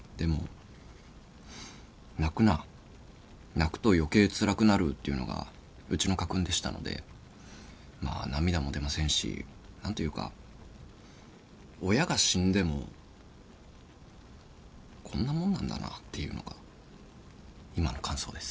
泣くと余計つらくなる」っていうのがうちの家訓でしたのでまあ涙も出ませんし何というか親が死んでもこんなもんなんだなっていうのが今の感想です。